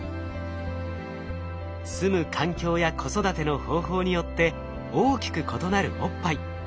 住む環境や子育ての方法によって大きく異なるおっぱい。